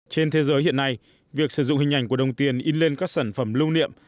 trên thế giới hiện nay việc sử dụng hình ảnh của đồng tiền in lên các sản phẩm lưu niệm